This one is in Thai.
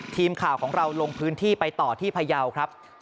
ทีมข่าวของเราลงพื้นที่ไปต่อที่พยาวครับ